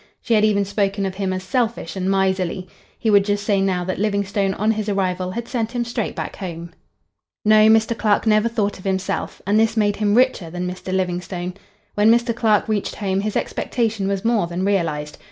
She had even spoken of him as selfish and miserly. He would just say now that Livingstone on his arrival had sent him straight back home. No, Mr. Clark never thought of himself, and this made him richer than Mr. Livingstone. When Mr. Clark reached home his expectation was more than realized.